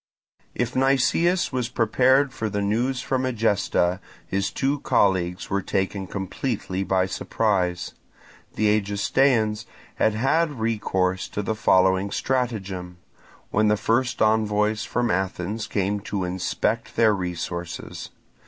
If Nicias was prepared for the news from Egesta, his two colleagues were taken completely by surprise. The Egestaeans had had recourse to the following stratagem, when the first envoys from Athens came to inspect their resources.